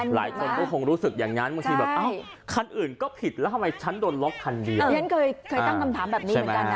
หลายคนก็คงรู้สึกอย่างนั้นคันอื่นก็ผิดแล้วทำไมฉันโดนล็อกคันเดียว